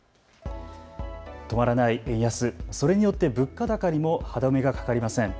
止まらない円安、それによって物価高にも歯止めがかかりません。